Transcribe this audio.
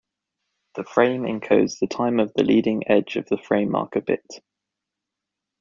The frame encodes the time of the leading edge of the frame marker bit.